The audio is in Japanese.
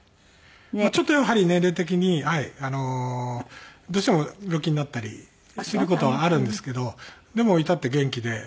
ちょっとやはり年齢的にどうしても病気になったりする事はあるんですけどでも至って元気でまだ。